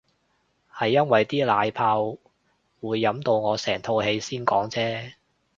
係因為啲奶泡會飲到我成肚氣先講啫